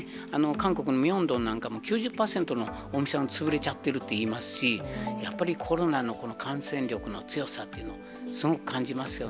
韓国のミョンドンなんかも９０％のお店が潰れちゃってるっていいますし、やっぱりコロナのこの感染力の強さっていうの、すごく感じますよ